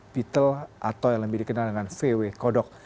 petel atau yang lebih dikenal dengan vw kodok